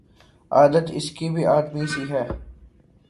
عادت اس کی بھی آدمی سی ہے